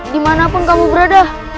dimanapun kamu berada